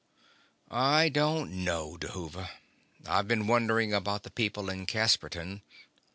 "I don't know, Dhuva. I've been wondering about the people in Casperton.